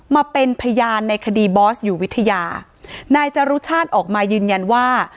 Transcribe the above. มาเป็นพยานในคดีบอสอยู่วิทยานายจรุชาติออกมายืนยันว่า